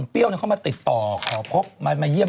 เปรี้ยวผูกคอตายแล้ว